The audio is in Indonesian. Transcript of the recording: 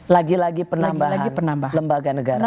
lagi lagi penambahan lembaga negara